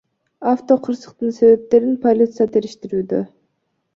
Автокырсыктын себептерин полиция териштирүүдө.